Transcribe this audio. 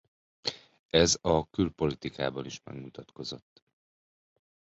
Ez a külpolitikában is megmutatkozott.